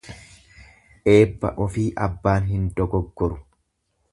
Eebba ofii abbaan hin dogoggoru.